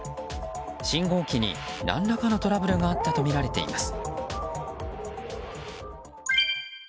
信号機に何らかのトラブルがあったとみられています。